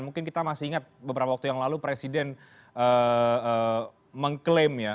mungkin kita masih ingat beberapa waktu yang lalu presiden mengklaim ya